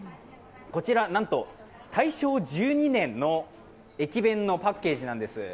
こちら、なんと大正１２年の駅弁のパッケージなんです。